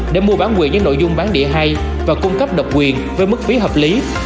để mua bán quyền những nội dung bán địa hay và cung cấp độc quyền với mức phí hợp lý